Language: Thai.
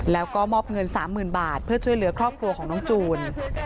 แล้วก็มอบเงิน๓๐๐๐บาทเพื่อช่วยเหลือครอบครัวของน้องจูน